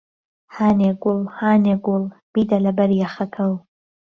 هانێ گوڵ هانێ گوڵ بیده له بهر یهخهکهو